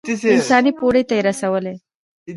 انساني پوړۍ ته يې رسوي.